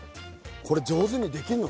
これ上手にできんの？